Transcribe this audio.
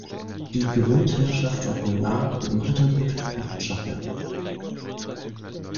Die Grundherrschaft oblag dem Rittergut Potschappel.